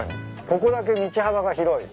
ここだけ道幅が広い。